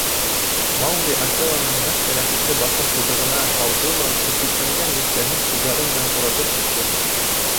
Маугли Акеланың ныҡ йәрәхәтле башын тубығына һалды ла өҙгөсләнгән елкәһен ҡулдары менән уратып ҡосто.